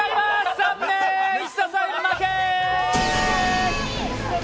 残念、石田さん負け！